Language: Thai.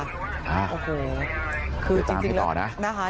ติดตามให้ต่อนะ